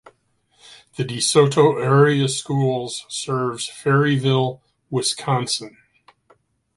The De Soto Area Schools serves Ferryville, Wisconsin.